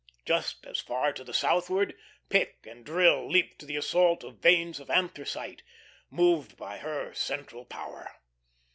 Just as far to the southward pick and drill leaped to the assault of veins of anthracite, moved by her central power.